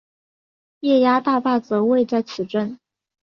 耶涯大坝则位在此镇。